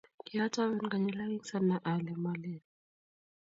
Kiatoben konyil aeng sanai ale malel